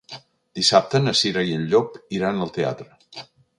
Dissabte na Cira i en Llop iran al teatre.